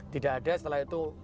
tidak ada setelah itu